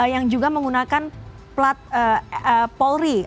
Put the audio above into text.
yang juga menggunakan plat polri